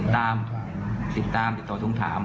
ติดตามติดต่อชงถาม